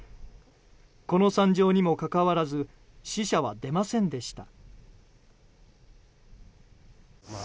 この惨状にもかかわらず死者は出ませんでした。